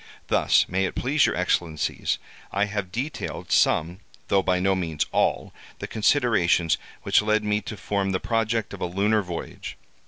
"Thus, may it please your Excellencies, I have detailed some, though by no means all, the considerations which led me to form the project of a lunar voyage.